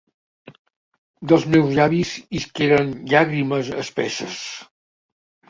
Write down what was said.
Dels meus llavis isqueren llàgrimes espesses.